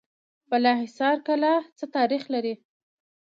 بالاحصار کلا څه تاریخ لري؟